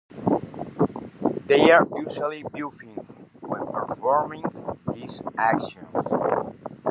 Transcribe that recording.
They are usually bluffing when performing these actions.